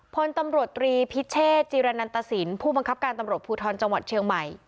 พลตำรวจตรีพิเชษจีรนันตสินผู้บังคับการตำรวจภูทรจังหวัดเชียงใหม่